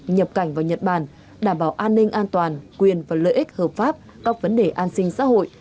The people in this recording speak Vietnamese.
nhập cảnh vào nhật bản đảm bảo an ninh an toàn quyền và lợi ích hợp pháp các vấn đề an sinh xã hội